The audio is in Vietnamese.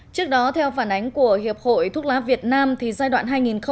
trước đó theo phản ánh của hiệp hội thuốc lá việt nam giai đoạn hai nghìn một mươi ba hai nghìn một mươi tám